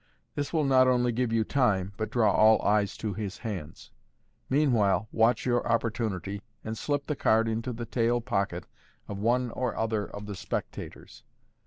This will not only give you time, but draw all eyes to his hands. Meanwhile, watch your opportunity and slip the card into the tail pocket of one or other of the spectators.